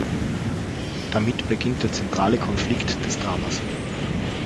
Damit beginnt der zentrale Konflikt des Dramas.